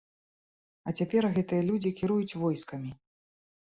А цяпер гэтыя людзі кіруюць войскамі!